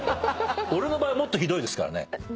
俺の場合はもっとひどいですからね。